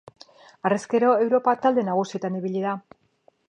Harrezkero, Europa talde nagusietan ibili da.